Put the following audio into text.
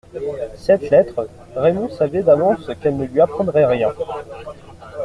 Cette lettre, Raymond savait d'avance qu'elle ne lui apprendrait rien.